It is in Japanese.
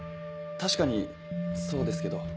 確かにそうですけど。